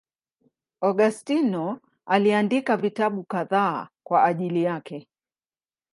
Augustino aliandika vitabu kadhaa kwa ajili yake.